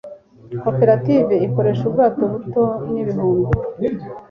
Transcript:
koperative ikoresha ubwato buto n'ibihumbi